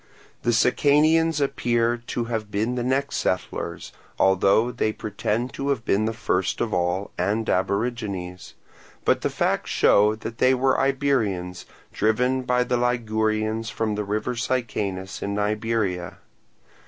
The Sicanians appear to have been the next settlers, although they pretend to have been the first of all and aborigines; but the facts show that they were Iberians, driven by the Ligurians from the river Sicanus in Iberia.